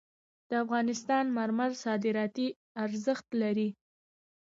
د افغانستان مرمر صادراتي ارزښت لري